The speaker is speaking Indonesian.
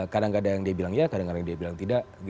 kadang kadang dia bilang ya kadang kadang dia bilang tidak